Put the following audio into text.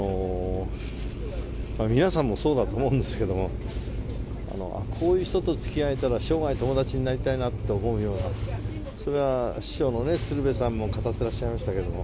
皆さんもそうだと思うんですけども、こういう人とつきあえたら、生涯友達になりたいなと思うような、それは師匠のね、鶴瓶さんも語ってらっしゃいましたけど。